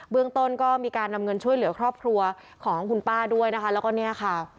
เรื่องต้นก็มีการนำเงินช่วยเหลือครอบครัวของคุณป้าด้วยนะคะแล้วก็เนี่ยค่ะ